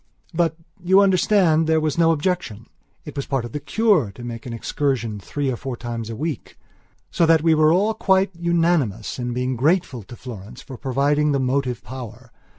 But, you understand, there was no objection. It was part of the cure to make an excursion three or four times a week. So that we were all quite unanimous in being grateful to Florence for providing the motive power.